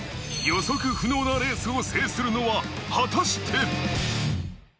予測不能なレースを制するのは、果たして。